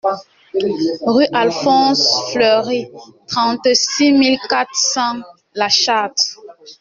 Rue Alphonse Fleury, trente-six mille quatre cents La Châtre